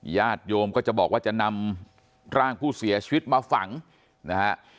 ญาติโยมก็จะบอกว่าจะนำร่างผู้เสียชีวิตมาฝังนะฮะ